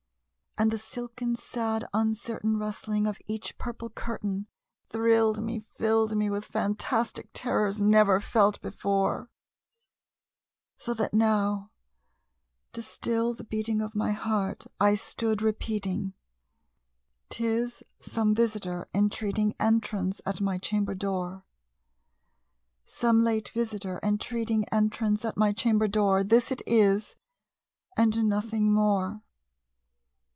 And the silken sad uncertain rustling of each purple curtain Thrilled me filled me with fantastic terrors never felt before; So that now, to still the beating of my heart, I stood repeating "'Tis some visitor entreating entrance at my chamber door Some late visitor entreating entrance at my chamber door; This it is and nothing more."